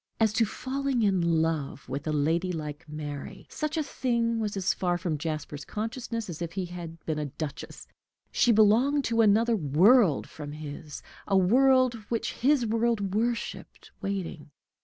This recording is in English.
As to falling in love with a lady like Mary, such a thing was as far from Jasper's consciousness as if she had been a duchess. She belonged to another world from his, a world which his world worshiped, waiting.